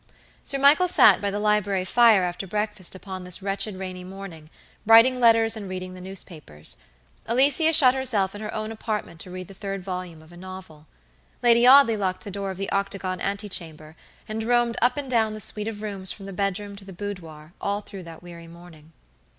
Sir Michael sat by the library fire after breakfast upon this wretched rainy morning, writing letters and reading the newspapers. Alicia shut herself in her own apartment to read the third volume of a novel. Lady Audley locked the door of the octagon ante chamber, and roamed up and down the suite of rooms from the bedroom to the boudoir all through that weary morning.